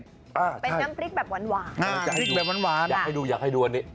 อ่าเป็นน้ำพริกแบบหวานหวานพริกแบบหวานหวานอยากให้ดูอยากให้ดูอันนี้